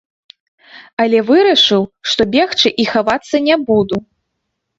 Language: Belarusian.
Але вырашыў, што бегчы і хавацца не буду.